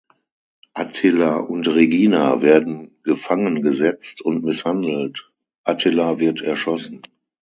Attila und Regina werden gefangengesetzt und misshandelt, Attila wird erschossen.